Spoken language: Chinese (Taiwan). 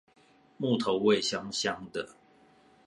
木頭味香香的